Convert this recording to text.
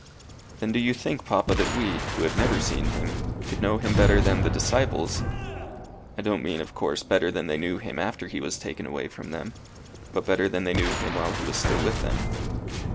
"Then do you think, papa, that we, who have never seen him, could know him better than the disciples? I don't mean, of course, better than they knew him after he was taken away from them, but better than they knew him while he was still with them?"